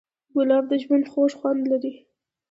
ګلاب د ژوند خوږ خوند لري.